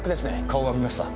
顔は見ました？